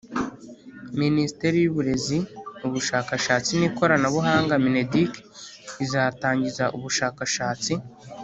minisiteri y'uburezi, ubushakashatsi n'ikoranabuhanga (mineduc) izatangiza ubushakashatsi